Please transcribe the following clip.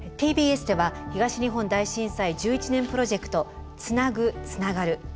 ＴＢＳでは東日本大震災１１年プロジェクト「つなぐ、つながる」。